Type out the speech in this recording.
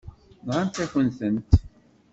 Nɣant-akent-tent.